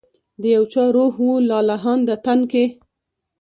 د یو چا روح و لا لهانده تن کي